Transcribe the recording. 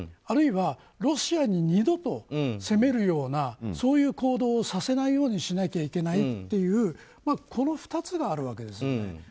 あるいはロシアに二度と攻めるような行動をさせないようにしなきゃいけないというこの２つがあるわけですよ。